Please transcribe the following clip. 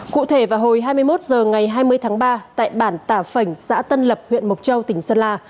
cụ thể vào hồi hai mươi một h ngày hai mươi tháng ba tại bản tả phảnh xã tân lập huyện mộc châu tỉnh sơn la